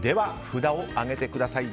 札を上げてください。